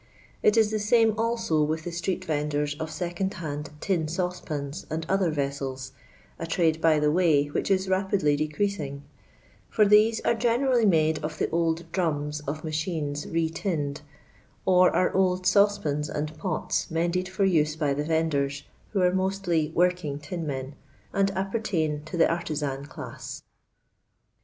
It is the came also with the street*vendors of second hand tin saucepans and other vessels (a tffide, by the way, which is rapidly decreasing), for these are generally made of the old drums of machines retinned, or are old saucepans and pots mended for use by the vendors, who are mostly working tinmen, and appertain to the artizan class.